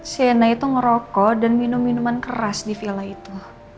siena itu ngerokok dan minum minuman keras di villa itu